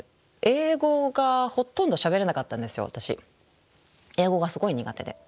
英語がすごい苦手で。